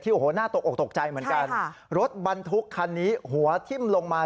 โอ้โหน่าตกออกตกใจเหมือนกันรถบรรทุกคันนี้หัวทิ้มลงมา